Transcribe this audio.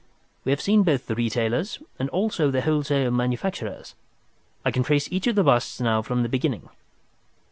"We have seen both the retailers and also the wholesale manufacturers. I can trace each of the busts now from the beginning."